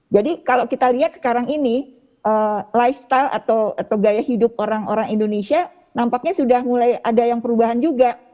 jadi kalau kita lihat sekarang ini lifestyle atau gaya hidup orang orang indonesia nampaknya sudah mulai ada yang perubahan juga